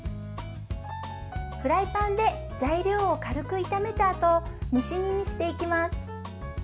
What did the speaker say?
フライパンで材料を軽く炒めたあと蒸し煮にしていきます。